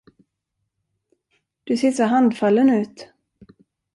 Du ser så handfallen ut?